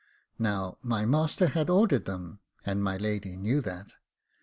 Now my master had ordered them, and my lady knew that.